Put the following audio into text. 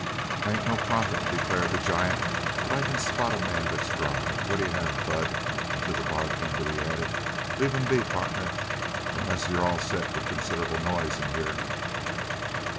"I ain't no prophet," declared the giant, "but I can spot a man that's dry. What'll you have, bud?" And to the bartender he added: "Leave him be, pardner, unless you're all set for considerable noise in here."